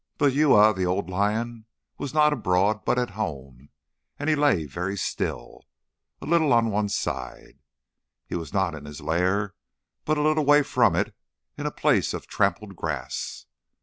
But Uya, the old lion, was not abroad, but at home, and he lay very still, and a little on one side. He was not in his lair, but a little way from it in a place of trampled grass.